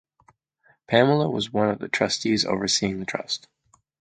Pamela was one of the trustees overseeing the trust.